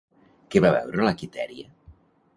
Què va veure la Quitèria?